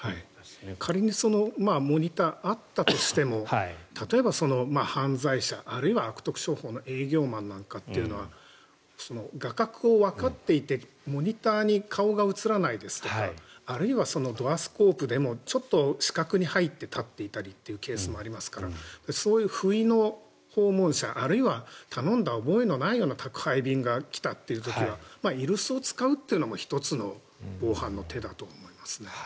仮にモニターがあったとしても例えば、犯罪者あるいは悪徳商法の営業マンなんかというのは画角をわかっていてモニターに顔が映らないとかあるいはドアスコープでもちょっと死角に入って立っていたりというケースもありますからそういう不意の訪問者あるいは頼んだ覚えのない宅配便が来たという時は居留守を使うのも１つの防犯の手だと思いますね。